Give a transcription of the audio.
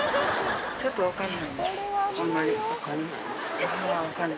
ちょっとわかんないな。